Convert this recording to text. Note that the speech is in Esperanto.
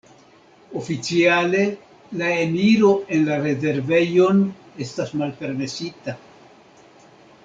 Oficiale la eniro en la rezervejon estas malpermesita.